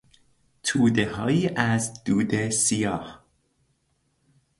تودههایی از دود سیاه